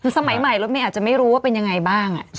คือสมัยใหม่รถเมย์อาจจะไม่รู้ว่าเป็นยังไงบ้าง